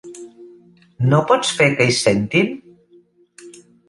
No pots fer que hi sentin?